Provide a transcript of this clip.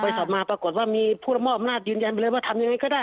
สอบมาปรากฏว่ามีผู้ละมอบอำนาจยืนยันไปเลยว่าทำยังไงก็ได้